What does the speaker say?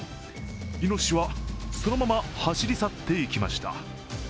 イノシシはそのまま走り去っていきました。